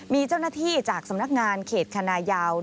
มีเจ้าหน้าที่จากสำนักงานเขตคณะยาว